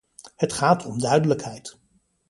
Het gaat om duidelijkheid.